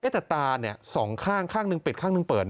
แต่ตาสองข้างข้างหนึ่งปิดข้างหนึ่งเปิด